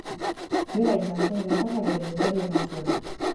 Bera izan zen gertakariaren berri eman zuena.